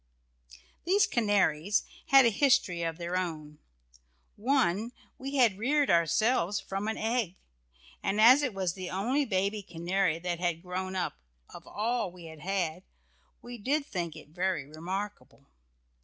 These canaries had a history of their own. One, we had reared ourselves from an egg, and as it was the only baby canary that had grown up of all we had had, we did think it very remarkable.